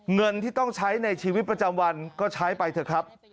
เงินที่ต้องใช้ในชีวิตประจำวันก็ใช้ไปเถอะครับ